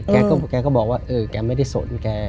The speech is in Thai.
แกก็บอกว่าแกไม่ได้สน